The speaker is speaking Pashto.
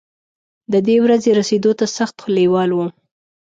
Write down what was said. د دې ورځې رسېدو ته سخت لېوال وم.